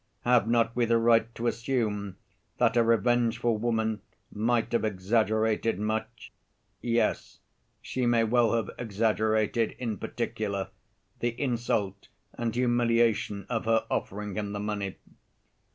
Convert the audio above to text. Have not we the right to assume that a revengeful woman might have exaggerated much? Yes, she may well have exaggerated, in particular, the insult and humiliation of her offering him the money.